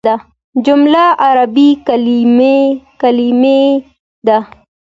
جمله عربي کليمه ده.